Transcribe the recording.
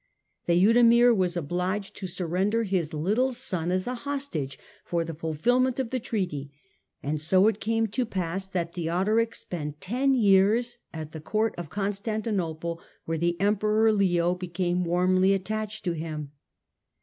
Theudemir was obliged to surrender his little son as a hostage for the fulfilment of the treaty, and so it came to pass that Theodoric spent ten years at the Court of Constantinople, where the Emperor Leo became warmly attached to him.